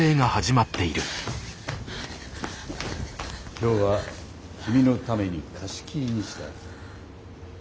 今日は君のために貸し切りにした。